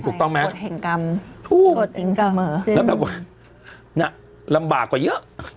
ถูกต้องมั้ยถูกต้องแล้วแบบว่าน่ะลำบากกว่าเยอะ